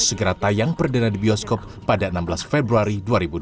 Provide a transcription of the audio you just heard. segera tayang perdana di bioskop pada enam belas februari dua ribu dua puluh